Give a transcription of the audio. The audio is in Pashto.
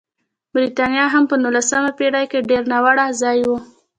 برېټانیا هم په نولسمه پېړۍ کې ډېر ناوړه ځای و.